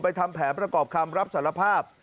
ทำแผนประกอบคำรับสารภาพ